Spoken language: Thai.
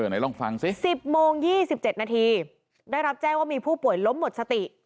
๑๐โมง๒๗นาทีได้รับแจ้งว่ามีผู้ป่วยล้มหมดสติ